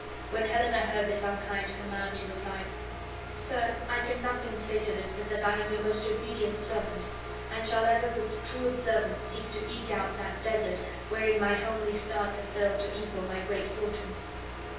When Helena heard this unkind command, she replied: "Sir, I can nothing say to this but that I am your most obedient servant, and shall ever with true observance seek to eke out that desert wherein my homely stars have failed to equal my great fortunes."